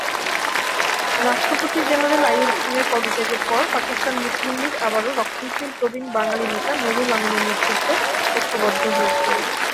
রাষ্ট্রপতি জেনারেল আইয়ুব খানের পদত্যাগের পর পাকিস্তান মুসলিম লীগ আবারও রক্ষণশীল প্রবীণ বাঙালি নেতা নুরুল আমিনের নেতৃত্বে ঐক্যবদ্ধ হয়েছিল।